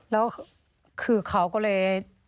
แล้วคือเขาก็เลย